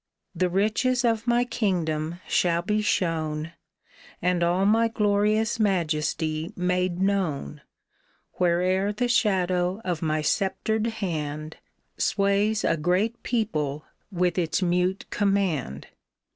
The riches of my kingdom shall be shown, And all my glorious majesty made known Where'er the shadow of my sceptred hand Sways a great people with its mute command